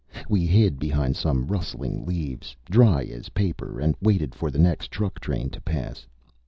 We hid behind some rustling leaves, dry as paper, and waited for the next truck train to pass.